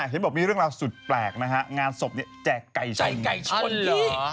ฉันบอกว่ามีเรื่องราวสุดแปลกนะฮะงานศพเนี่ยแจกไก่ชน